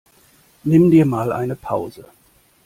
Nimm dir mal eine Pause!